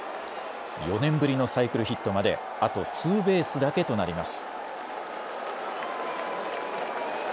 ４年ぶりのサイクルヒットまであとツーベースだけとなります。